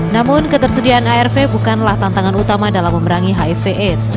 namun ketersediaan arv bukanlah tantangan utama dalam memerangi hiv aids